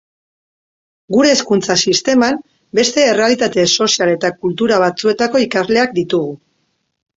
Gure hezkuntza sisteman, beste errealitate sozial eta kultura batzuetako ikasleak ditugu.